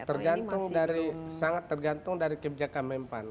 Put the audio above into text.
tergantung dari sangat tergantung dari kebijakan mempan